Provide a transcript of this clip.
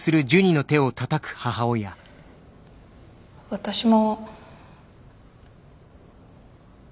私も。